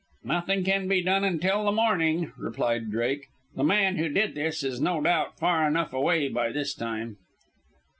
"Nothing can be done until the morning," replied Drake. "The man who did this is no doubt far enough away by this time."